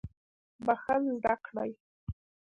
بخښل زده کړئ